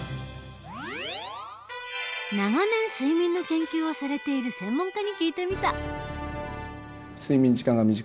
長年睡眠の研究をされている専門家に聞いてみた。